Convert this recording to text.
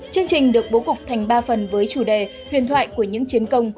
chương trình được bố cục thành ba phần với chủ đề huyền thoại của những chiến công